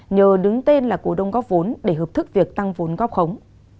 nhờ đứng tên là cổ đông góp vốn để hợp thức việc tăng vốn góp khống